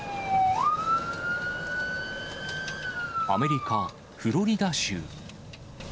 アメリカ・フロリダ州。